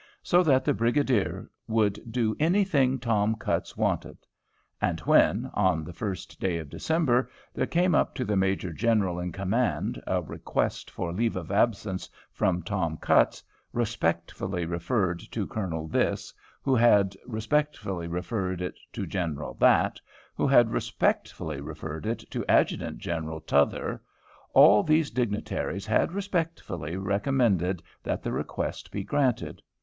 So that the Brigadier would do any thing Tom Cutts wanted. And when, on the first of December, there came up to the Major General in command a request for leave of absence from Tom Cutts, respectfully referred to Colonel This, who had respectfully referred it to General That, who had respectfully referred it to Adjutant General T'other, all these dignitaries had respectfully recommended that the request be granted.